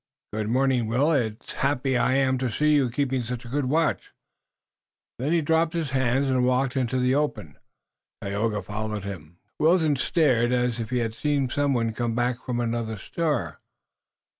"Good morning, Will. It's happy I am to see you keeping such a good watch." Then he dropped his hands and walked into the open, Tayoga following him. Wilton stared as if he had seen someone come back from another star.